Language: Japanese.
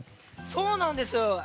そうなんです。